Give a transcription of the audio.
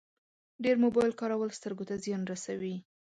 ډېر موبایل کارول سترګو ته زیان رسوي.